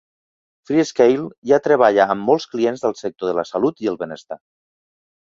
Freescale ja treballa amb molts clients del sector de la salut i el benestar.